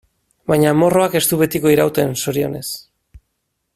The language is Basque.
Baina amorruak ez du betiko irauten, zorionez.